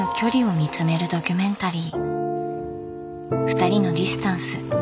「ふたりのディスタンス」。